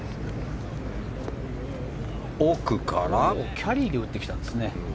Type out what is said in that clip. キャリーで打ってきたんですね。